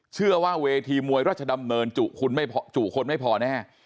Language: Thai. เชื่อว่าเวทีมวยราชดำเนินจุขนไม่พอแน่